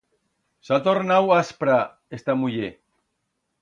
S'ha tornau aspra esta muller.